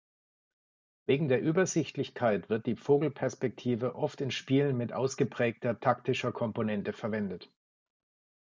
Wegen der Übersichtlichkeit wird die Vogelperspektive oft in Spielen mit ausgeprägter taktischer Komponente verwendet.